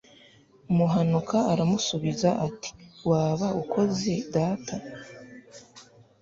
muhanuka aramusubiza ati waba ukoze data